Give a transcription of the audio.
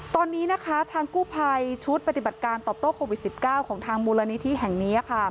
ตอนนี้นะคะทางกู้ภัยชุดปฏิบัติการตอบโต้โควิด๑๙ของทางมูลนิธิแห่งนี้